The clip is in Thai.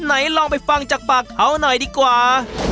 ลองไปฟังจากปากเขาหน่อยดีกว่า